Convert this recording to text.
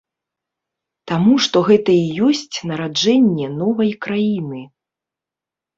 Таму што гэта і ёсць нараджэнне новай краіны.